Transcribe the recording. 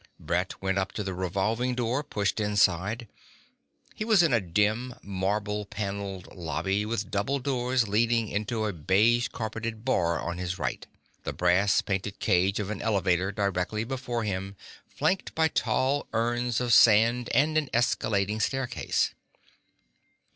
Brett went up to the revolving door, pushed inside. He was in a dim, marble panelled lobby, with double doors leading into a beige carpeted bar on his right, the brass painted cage of an elevator directly before him, flanked by tall urns of sand and an ascending staircase.